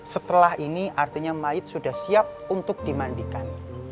setelah ini artinya maid sudah siap untuk dimandikan